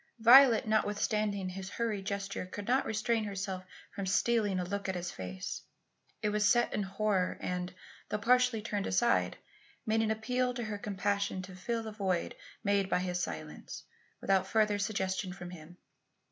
Violet, notwithstanding his hurried gesture, could not restrain herself from stealing a look at his face. It was set in horror and, though partially turned aside, made an appeal to her compassion to fill the void made by his silence, without further suggestion from him.